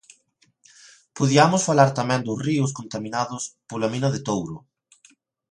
Podiamos falar tamén dos ríos contaminados pola mina de Touro.